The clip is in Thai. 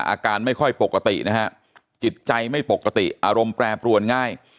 อาการไม่ค่อยปกตินะฮะจิตใจไม่ปกติอารมณ์แปรปรวนง่าย